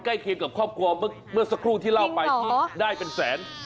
เคียงกับครอบครัวเมื่อสักครู่ที่เล่าไปที่ได้เป็นแสน